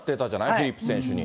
フィリップス選手に。